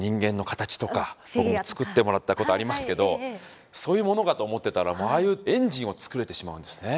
僕も作ってもらったことありますけどそういうものかと思ってたらああいうエンジンを作れてしまうんですね。